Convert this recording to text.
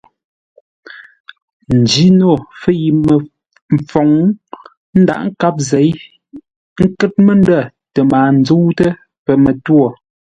Njino fə̂itə məfoŋ ńdághʼ nkâp zěi ńkə́r məndə̂ tə mbaa ńzə́utə́ pəmətwô.